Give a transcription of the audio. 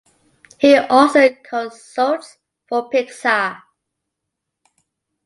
He also consults for Pixar.